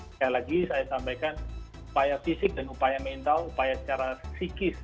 sekali lagi saya sampaikan upaya fisik dan upaya mental upaya secara psikis